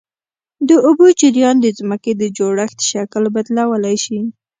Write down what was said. د اوبو جریان د ځمکې د جوړښت شکل بدلولی شي.